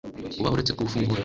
uba uretse kubufungura